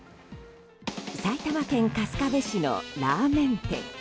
埼玉県春日部市のラーメン店。